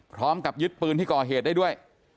พร้อมกับยึดปืนที่ก่อเหตุได้ด้วย